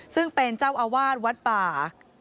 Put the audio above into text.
ซึ่งเป็นเจ้าอาวาสวัดป่า